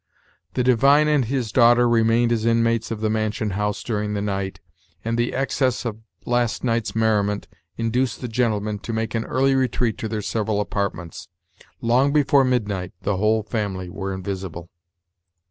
The divine and his daughter remained as inmates of the mansion house during the night, and the excess of last night's merriment induced the gentlemen to make an early retreat to their several apartments. Long before midnight, the whole family were invisible.